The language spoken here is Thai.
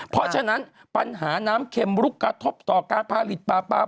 เพราะฉะนั้นปัญหาน้ำเข็มลุกกระทบต่อการผลิตปลาปลา